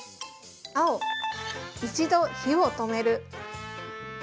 青・一度、火を止める。